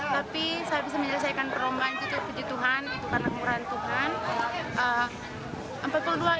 tapi saya bisa menyelesaikan perombaan itu puji tuhan itu kanan puran tuhan